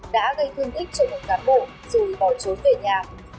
đã gây thương tích cho một cán bộ rồi bỏ trốn về nhà